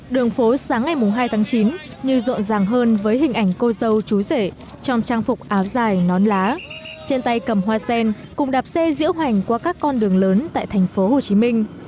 đường phố sáng ngày hai tháng chín như rộn ràng hơn với hình ảnh cô dâu chú rể trong trang phục áo dài nón lá trên tay cầm hoa sen cùng đạp xe diễu hành qua các con đường lớn tại tp hcm